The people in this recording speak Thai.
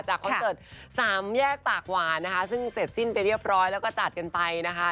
คอนเสิร์ตสามแยกปากหวานนะคะซึ่งเสร็จสิ้นไปเรียบร้อยแล้วก็จัดกันไปนะคะ